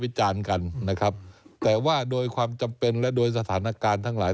วิจารณ์กันแต่ว่าโดยความจำเป็นและสถานการณ์ทั้งหลาย